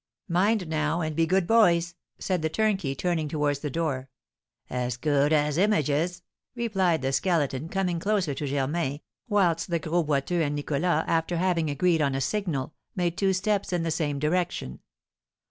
"Mind, now, and be good boys!" said the turnkey, turning towards the door. "As good as images!" replied the Skeleton, coming closer to Germain, whilst the Gros Boiteux and Nicholas, after having agreed on a signal, made two steps in the same direction.